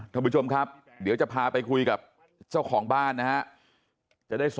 ท่านผู้ชมครับเดี๋ยวจะพาไปคุยกับเจ้าของบ้านนะครับ